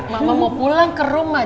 mama mau pulang ke rumah